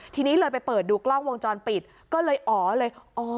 ทีนี้เลยไปเปิดดูกล้องวงจรปิดก็เลยอ๋อเลยอ๋อ